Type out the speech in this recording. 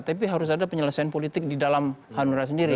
tapi harus ada penyelesaian politik di dalam hanura sendiri